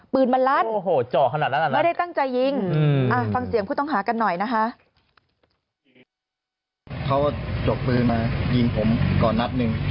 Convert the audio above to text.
จ่อขนาดนั้นไม่ได้ตั้งใจยิงฟังเสียงผู้ต้องหากันหน่อยนะคะ